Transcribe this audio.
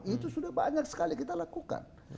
itu sudah banyak sekali kita lakukan